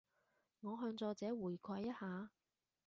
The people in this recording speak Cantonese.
我向作者回饋一下